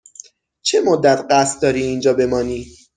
چه مدت قصد داری اینجا بمانی؟